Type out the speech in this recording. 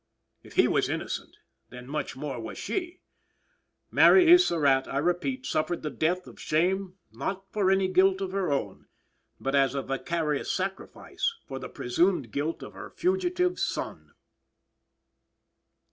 If he was innocent, then much more was she. Mary E. Surratt, I repeat, suffered the death of shame, not for any guilt of her own, but as a vicarious sacrifice for the presumed guilt of her fugitive son.